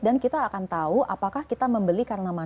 dan kita akan tahu apakah kita membeli karena maunya bagus